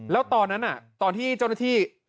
แล้วตอนนั้นตอนที่เจ้าหน้าที่